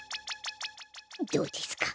どうですか？